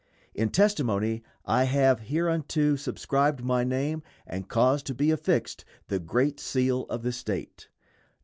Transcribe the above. In testimony I have hereunto subscribed my name and caused to be affixed the great seal of the State.